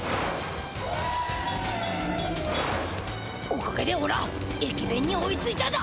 おかげでおら駅弁に追いついただ。